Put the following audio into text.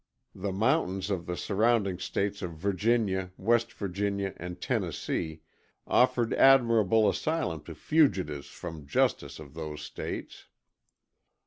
The mountains of the surrounding states of Virginia, West Virginia and Tennessee offered admirable asylum to fugitives from justice of those States.